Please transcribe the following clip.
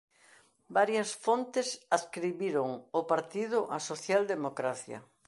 Varias fontes adscribiron ao partido á socialdemocracia.